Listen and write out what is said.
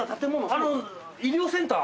あの医療センター？